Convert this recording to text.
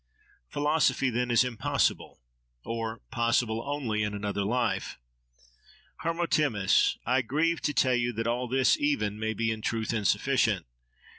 —Philosophy, then, is impossible, or possible only in another life! —Hermotimus! I grieve to tell you that all this even, may be in truth insufficient.